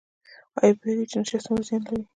ایا پوهیږئ چې نشه څومره زیان لري؟